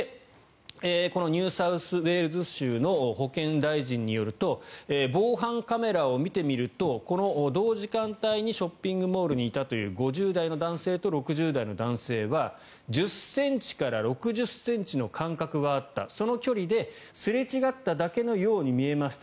このニューサウスウェールズ州の保健大臣によると防犯カメラを見てみるとこの同時間帯にショッピングモールにいたという５０代の男性と６０代の男性は１０ｃｍから６０ｃｍの間隔があったその距離ですれ違っただけのように見えました